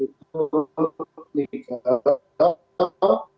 itu untuk tiga dolar